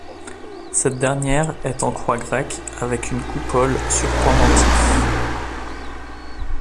Cette dernière est en croix grecque avec une coupole sur pendentifs.